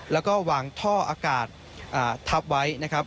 แล้วก็วางท่ออากาศทับไว้นะครับ